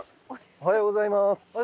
おはようございます。